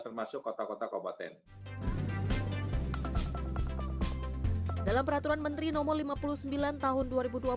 termasuk kota kota kabupaten dalam peraturan menteri no lima puluh sembilan tahun dua ribu dua puluh